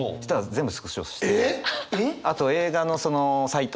あと映画のそのサイト。